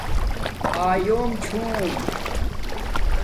آلیوم چُھوم